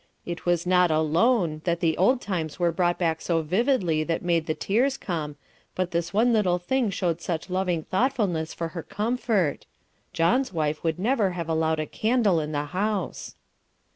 It was not alone that the old times were brought back so vividly that made the tears come, but this one little thing showed such loving thoughtfulness for her comfort. (John's wife would never have allowed a candle in the house.)